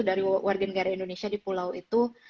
dari warga negara indonesia di pulau itu